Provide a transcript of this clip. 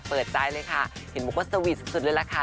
เปิดใจเลยค่ะเห็นบอกว่าสวีทสุดเลยล่ะค่ะ